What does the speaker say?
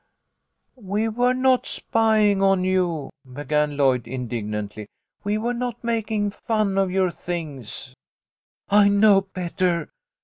" We were not spying on you," began Lloyd, indig nantly. " We were not making fun of your things !" "I know better.